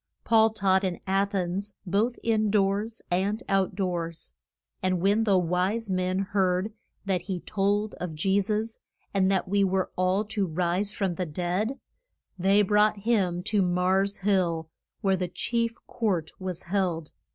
Paul taught in A thens, both in doors and out doors. And when the wise men heard that he told of Je sus, and that we were all to rise from the dead, they brought him to Mars' Hill, where the chief court was held.